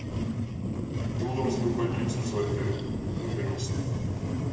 地元の先輩に誘われてやりました。